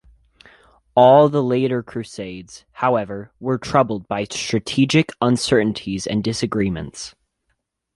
All the later Crusades, however, were troubled by strategic uncertainties and disagreements.